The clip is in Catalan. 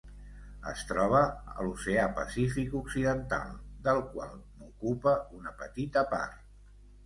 Es troba a l'Oceà Pacífic occidental, del qual n'ocupa una petita part.